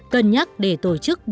cân nhắc để tổ chức buổi trường